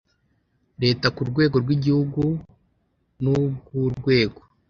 Leta ku rwego rw Igihugu n ubw urwego